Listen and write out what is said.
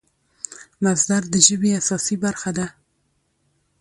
مصدر د ژبي اساسي برخه ده.